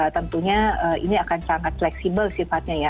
tentunya ini akan sangat fleksibel sifatnya ya